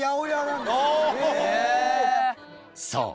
そう！